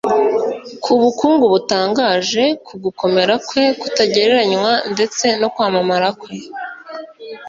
ku bukungu butangaje, ku gukomera kwe kutagereranywa ndetse no kwamamara kwe